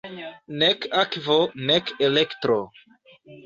Nek akvo, nek elektro.